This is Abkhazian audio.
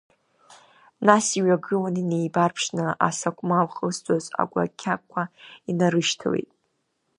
Нас иҩагылан, инеибарԥшны асакәмал хызҵоз агәакьақәа инарышьҭагылеит.